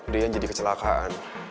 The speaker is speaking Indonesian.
dian jadi kecelakaan